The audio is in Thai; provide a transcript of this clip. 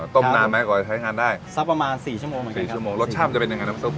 ต้มนานไหมกว่าจะใช้งานได้สักประมาณสี่ชั่วโมงเหมือนกันสี่ชั่วโมงรสชาติจะเป็นยังไงน้ำซุป